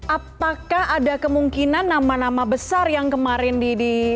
apakah ada kemungkinan nama nama besar yang kemarin di